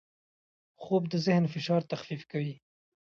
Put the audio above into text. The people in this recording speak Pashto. خوب د ذهن فشار تخفیف کوي